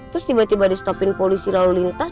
terus tiba tiba di stopin polisi lalu lintas